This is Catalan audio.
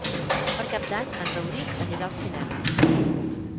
Per Cap d'Any en Rauric anirà al cinema.